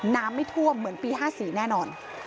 ไม่ท่วมเหมือนปี๕๔แน่นอน